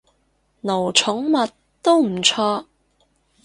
奴寵物，都唔錯